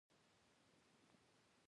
د مرحوم غبار له متن سره سر نه خوري.